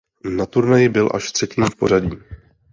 Na turnaji byl až třetím v pořadí.